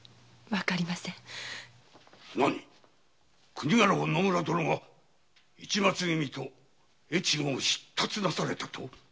国家老の野村殿が市松君と越後を出立なされたと？